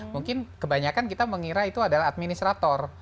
mungkin kebanyakan kita mengira itu adalah administrator